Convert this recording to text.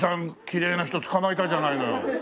きれいな人つかまえたじゃないのよ。